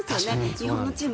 日本のチーム